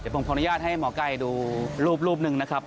ผมขออนุญาตให้หมอไก่ดูรูปหนึ่งนะครับ